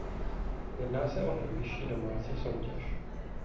Jedná se o nejvyšší domácí soutěž.